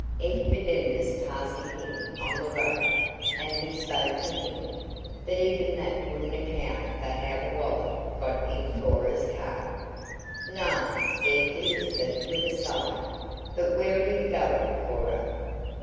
Ed remembers passing him on the road, and he spoke to him, but even that wouldn't account for how the wallet got in Cora's car." "No," said Elizabeth with a sigh. "But where are you going, Cora?"